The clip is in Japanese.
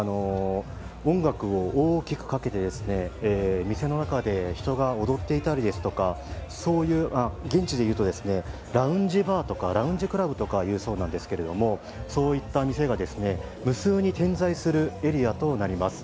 音楽を大きくかけて、店の中で人が踊っていたりですとか、現地でいうとラウンジバーとか、ラウンジクラブとかいうそうなんですけれどもそういった店が無数に点在するエリアとなります。